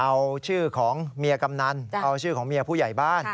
เอาชื่อของเมียกำนันเอาชื่อของเมียผู้ใหญ่บ้าน